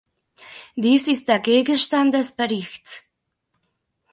Dies ist der Gegenstand des Berichts.